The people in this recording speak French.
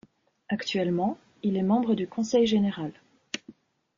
Actuellement, il est membre du conseil général.